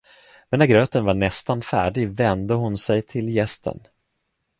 Men när gröten var nästan färdig vände hon sig till gästen.